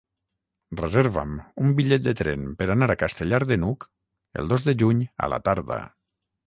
Reserva'm un bitllet de tren per anar a Castellar de n'Hug el dos de juny a la tarda.